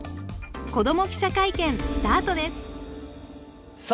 子ども記者会見スタートですさあ